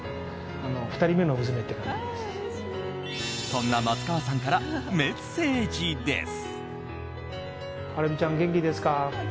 そんな松川さんからメッセージです。